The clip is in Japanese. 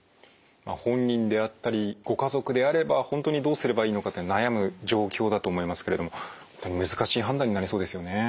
本人であったりご家族であれば本当にどうすればいいのかって悩む状況だと思いますけれども難しい判断になりそうですよね。